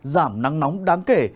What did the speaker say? giảm nắng nóng đáng kể